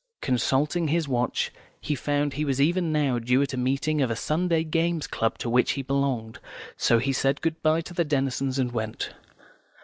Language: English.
Consulting his watch, he found he was even now due at a meeting of a Sunday Games Club to which he belonged, so he said goodbye to the Denisons and went.